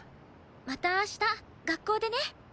また明日学校でね。